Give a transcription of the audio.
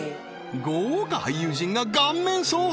豪華俳優陣が顔面蒼白